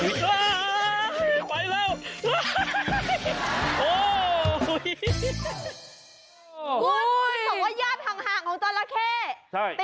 ไม่พูดว่าญาติทางหากของจราเข้